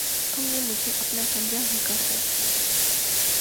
تم نے مجھے اپنا سمجھا ہی کب ہے!